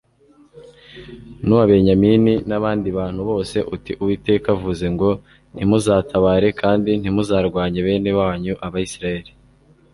n'uwa benyamini n'abandi bantu bose uti 'uwiteka avuze ngo ntimuzatabare kandi ntimuzarwanye bene wanyu abisirayeli